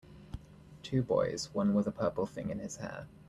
Two boys, one with a purple thing in his hair.